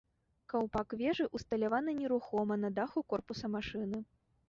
Каўпак вежы ўсталяваны нерухома на даху корпуса машыны.